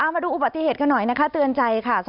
มาดูอุบัติเหตุกันหน่อยนะคะเตือนใจค่ะ